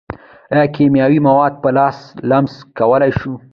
ایا کیمیاوي مواد په لاس لمس کولی شو.